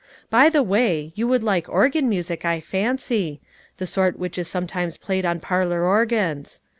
By the way, you would like organ music, I fancy ; the sort which is sometimes played on parlor organs.